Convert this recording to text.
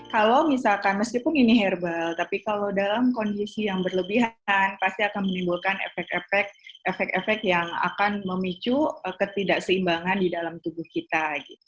kalau misalkan meskipun ini herbal tapi kalau dalam kondisi yang berlebihan pasti akan menimbulkan efek efek yang akan memicu ketidakseimbangan di dalam tubuh kita